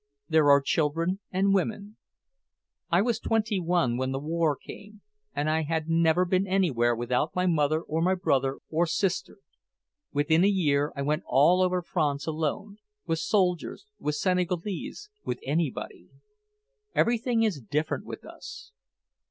There are children and women. I was twenty one when the war came, and I had never been anywhere without my mother or my brother or sister. Within a year I went all over France alone; with soldiers, with Senegalese, with anybody. Everything is different with us."